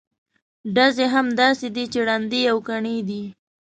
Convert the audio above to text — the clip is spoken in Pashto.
ډزې هم داسې دي چې ړندې او کڼې دي.